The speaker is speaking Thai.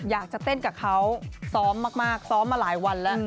อยากจะเต้นกับเขาซ้อมมากซ้อมมาหลายวันแล้ว